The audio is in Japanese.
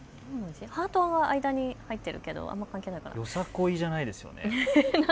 ハートが間に入っているけどあまり関係ないかな。